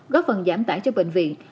góp phần giảm tải cho bệnh viện